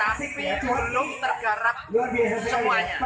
tapi belum tergarap semuanya